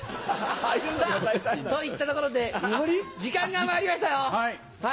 さぁといったところで時間がまいりましたよ！